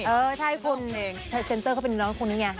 เออใช่คุณเซ็นเตอร์เขาเป็นน้องคนนี้ไง